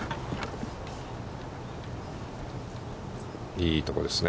いいところですね。